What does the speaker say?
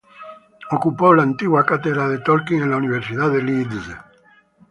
Ocupó la antigua cátedra de Tolkien en la Universidad de Leeds.